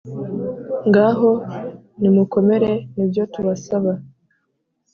Ngaho nimukomere nibyo tubasaba